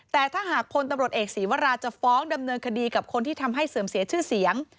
แต่ถ้าหากพลตำรวจเอกศีวราจะฟ้องดำเนินคดีกับคนที่ทำให้เสื่อมเสียชื่อเสียง